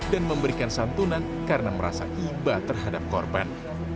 dan memberikan santunan karena merasa ibah terhadap korban